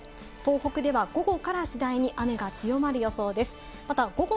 東北では午後から次第に雨が強まる予想です。